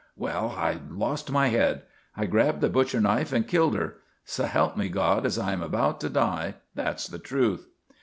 Well, I lost my head. I grabbed the butcher knife and killed her. So help me God as I am about to die, that's the truth."